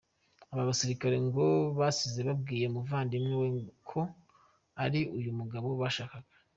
Aba basirikare ngo basize babwiye umuvandimwe we ko ari uyu mugabo bashakaga.